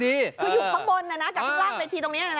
คืออยู่ข้างบนนะจากล่างวิธีตรงนี้นะ